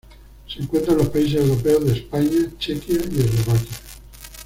Se encuentra en los paises europeos de España, Chequia y Eslovaquia.